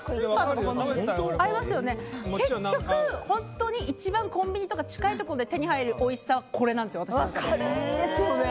結局、本当に一番コンビニとか近いところで手に入るおいしさはこれなんですよ、私の中で。ですよね？